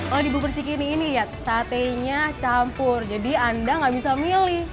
kalau di bubur cikini ini ya satenya campur jadi anda nggak bisa milih